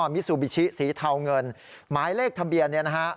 มิซูบิชิสีเทาเงินหมายเลขทะเบียนเนี่ยนะฮะ